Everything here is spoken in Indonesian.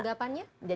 nah saya rasa